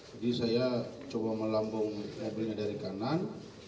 jadi saya coba melambung edwinnya dari kanan